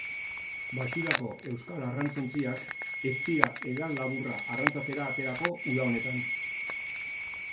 Baxurako euskal arrantzontziak ez dira hegalaburra arrantzatzera aterako uda honetan.